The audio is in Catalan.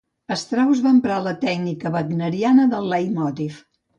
Strauss va emprar la tècnica wagneriana del leitmotiv.